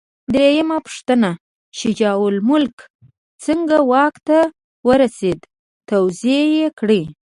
درېمه پوښتنه: شجاع الملک څنګه واک ته ورسېد؟ توضیح یې کړئ.